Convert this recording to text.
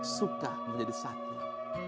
suka menjadi satu